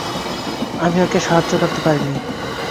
আমি ওকে সাহায্য করতে পারিনি।